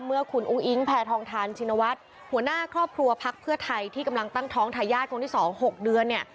เมื่อคุณอุ้งอิงแพทองทานชินวัฒน์หัวหน้าครอบครัวพักเพื่อไทยที่กำลังตั้งท้องทายาทคนที่๒๖เดือนเนี่ย